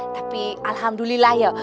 tapi alhamdulillah yuk